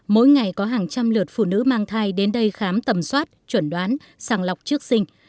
mỗi ngày có hàng trăm lượt phụ nữ mang thai đến đây khám tầm soát chuẩn đoán sàng lọc trước sinh